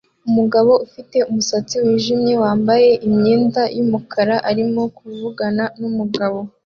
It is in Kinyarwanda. Umugabo ufite umusatsi wijimye wambaye imyenda yumukara arimo kuvugana numugabo